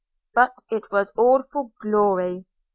But it was all for glory.